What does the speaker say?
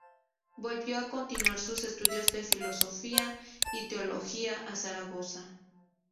Volvió a continuar sus estudios de filosofía y Teología a Zaragoza.